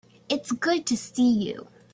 It's good to see you.